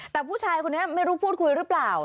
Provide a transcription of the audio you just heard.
แต่ผู้ชายคนนี้ไม่รู้พูดคุยหรือเปล่า